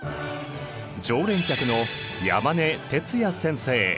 常連客の山根徹也先生。